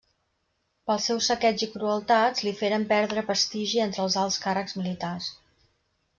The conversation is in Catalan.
Pels seus saqueigs i crueltats li feren perdre prestigi entre els alts càrrecs militars.